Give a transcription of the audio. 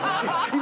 今。